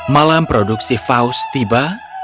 malam produksi faust tiba